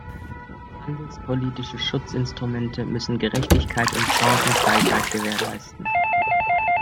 Handelspolitische Schutzinstrumente müssen Gerechtigkeit und Chancengleichheit gewährleisten.